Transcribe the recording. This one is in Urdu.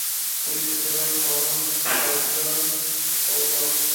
کوئی خاطر خواہ فیصلہ ہو گا۔